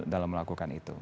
dalam melakukan itu